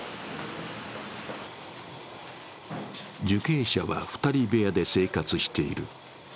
受刑者は２人部屋で生活している。